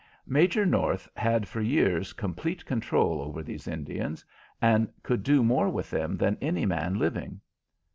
Major North had for years complete control over these Indians, and could do more with them than any man living.